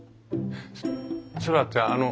空ってあの空？